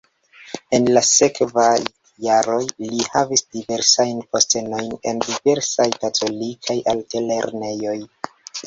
En la sekvaj jaroj li havis diversajn postenojn en diversaj katolikaj altlernejoj.